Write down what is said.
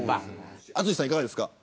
淳さんは、いかがですか。